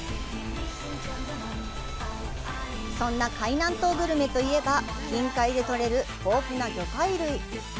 そんな海南島グルメといえば、近海でとれる豊富な魚介類！